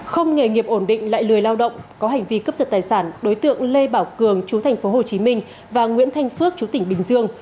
không nghề nghiệp ổn định lại lười lao động có hành vi cấp dật tài sản đối tượng lê bảo cường chú thành phố hồ chí minh và nguyễn thanh phước chú tỉnh bình dương